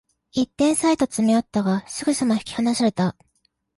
一点差へと詰め寄ったが、すぐさま引き離された